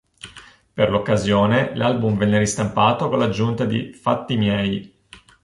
Per l'occasione l'album venne ristampato con l'aggiunta di "Fatti miei".